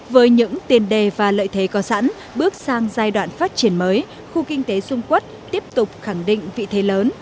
với những tiền đề và lợi thế có sẵn bước sang giai đoạn phát triển mới khu kinh tế dung quốc tiếp tục khẳng định vị thế lớn